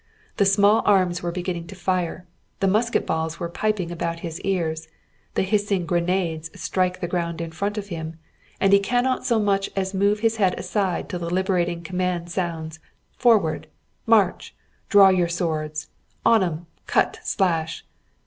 The small arms were beginning to fire, the musket balls were piping about his ears, the hissing grenades strike the ground in front of him, and he cannot so much as move his head aside till the liberating command sounds: "Forward! March! Draw your swords! On 'em! Cut, slash!"